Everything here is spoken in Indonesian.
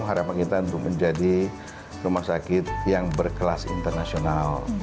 harapan kita untuk menjadi rumah sakit yang berkelas internasional